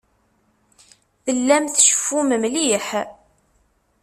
Tellam tceffum mliḥ.